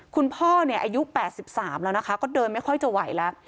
คุณพ่อเนี่ยอายุ๘๓แล้วนะคะก็เดินไม่ค่อยจะไหวแล้ว